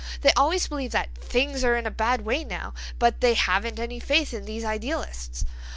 They always believe that 'things are in a bad way now,' but they 'haven't any faith in these idealists.